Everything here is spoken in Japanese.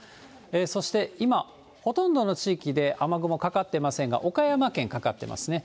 そして今、ほとんどの地域で雨雲かかっていませんが、岡山県、かかってますね。